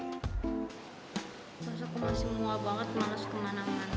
masa aku masih mua banget males kemana mana